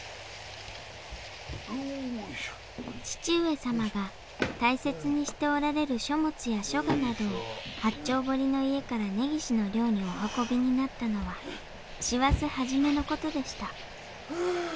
義父上様が大切にしておられる書物や書画などを八丁堀の家から根岸の寮にお運びになったのは師走初めの事でした。